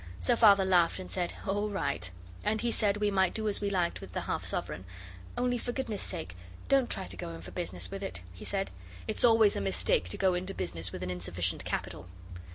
So Father laughed and said, 'All right.' And he said we might do as we liked with the half sovereign. 'Only for goodness' sake don't try to go in for business with it,' he said. 'It's always a mistake to go into business with an insufficient capital.